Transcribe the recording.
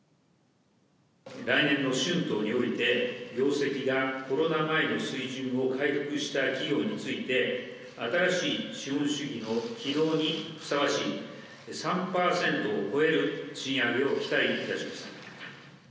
来年の春闘において、業績がコロナ前の水準を回復した企業について、新しい資本主義の軌道にふさわしい３％を超える賃上げを期待いたします。